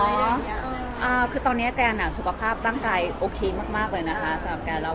เรากลัวแม่ผู้อาหารสุขภาพเรามันจะกลับมาให้ไม่ดีหรือเปล่า